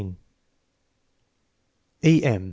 E. M.